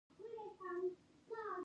د ایران کلتور بډایه دی.